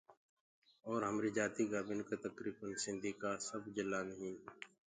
اور همريٚ جآتيٚ ڪآ مِنک تڪرٚڦن سنڌي ڪآ سب جِلآ مي هينٚ